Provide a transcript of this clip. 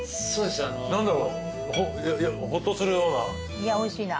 いやおいしいな。